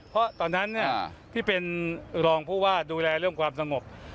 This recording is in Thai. เพราะตอนนั้นพี่เป็นรองผู้ว่าดูแลเรื่องความสงบ